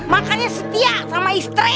makannya setia sama istri